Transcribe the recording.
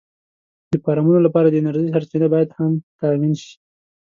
د فارمونو لپاره د انرژۍ سرچینه هم باید تأمېن شي.